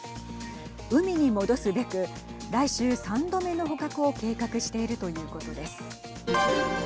海に戻すべく来週３度目の捕獲を計画しているということです。